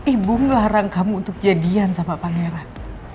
ibu ngelarang kamu untuk jadian sama pangeran